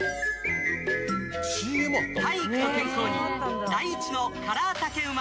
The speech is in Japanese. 体育と健康に第一のカラー竹馬。